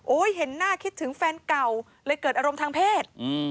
เห็นหน้าคิดถึงแฟนเก่าเลยเกิดอารมณ์ทางเพศ